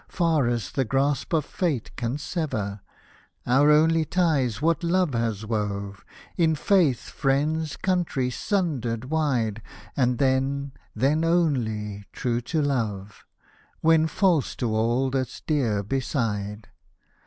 Far as the grasp of Fate can sever ; Our only ties what love has wove, — In faith, friends, country, sundered wide ; And then, then only, true to love. When false to all that's dear beside